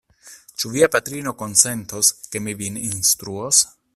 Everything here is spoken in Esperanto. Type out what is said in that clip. Ĉu via patrino konsentos, ke mi vin instruos?